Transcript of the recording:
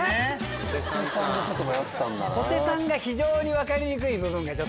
小手さんが非常に分かりにくい部分が。